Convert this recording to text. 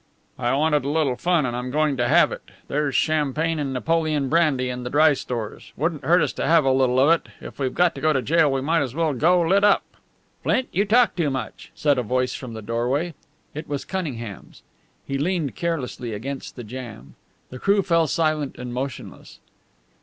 "I wanted a little fun, and I'm going to have it. There's champagne and Napoleon brandy in the dry stores. Wouldn't hurt us to have a little of it. If we've got to go to jail we might as well go lit up." "Flint, you talk too much," said a voice from the doorway. It was Cunningham's. He leaned carelessly against the jamb. The crew fell silent and motionless.